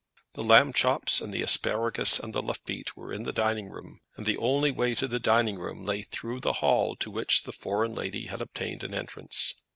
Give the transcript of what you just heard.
The lamb chops, and the asparagus, and the Lafitte were in the dining room, and the only way to the dining room lay through the hall to which the foreign lady had obtained an entrance.